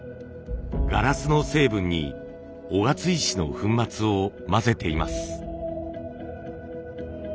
ガラスの成分に雄勝石の粉末を混ぜています。